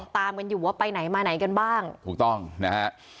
ตามกันอยู่ว่าไปไหนมาไหนกันบ้างถูกต้องนะฮะ